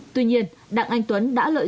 tuy nhiên đặng anh tuấn đã lợi dụng